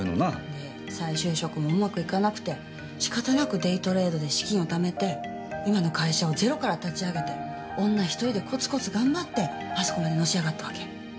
で再就職もうまくいかなくて仕方なくデイトレードで資金を貯めて今の会社をゼロから立ち上げて女１人でコツコツ頑張ってあそこまでのし上がったわけ。